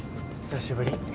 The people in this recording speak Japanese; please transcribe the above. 久しぶり。